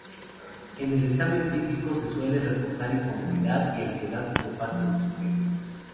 En el examen físico se suele reportar incomodidad y ansiedad de parte del sujeto.